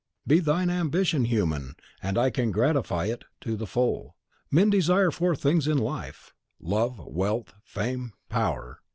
Be thine ambition human, and I can gratify it to the full. Men desire four things in life, love, wealth, fame, power.